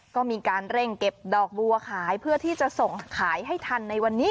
ก็มีการเร่งเก็บดอกบัวขายเพื่อที่จะส่งขายให้ทันในวันนี้